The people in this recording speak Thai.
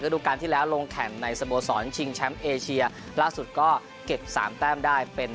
ดูการที่แล้วลงแข่งในสโมสรชิงแชมป์เอเชียล่าสุดก็เก็บสามแต้มได้เป็น